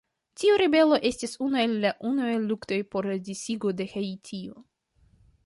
Tiu ribelo estis unu el la unuaj luktoj por disigo de Haitio.